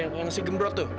yang si gembrot tuh